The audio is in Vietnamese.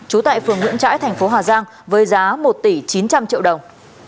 trú tại phường nguyễn trãi thành phố hà giang với giá một tỷ chín trăm linh triệu đồng